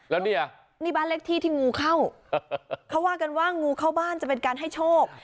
แล้วเนี่ยนี่บ้านเลขที่ที่งูเข้าเขาว่ากันว่างูเข้าบ้านจะเป็นการให้โชค